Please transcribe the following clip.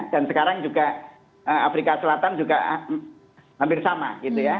dan sekarang juga afrika selatan juga hampir sama gitu ya